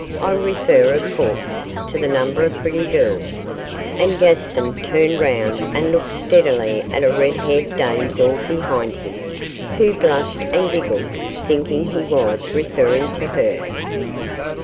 I refer, of course, to the number of pretty girls,' and Gaston turned round and looked steadily at a red haired damsel behind him, who blushed and giggled, thinking he was referring to her.